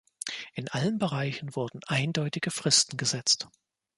In allen Bereichen wurden eindeutige Fristen gesetzt.